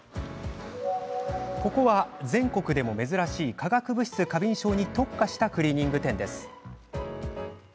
ここは全国でも珍しい化学物質過敏症に特化したクリーニング店です。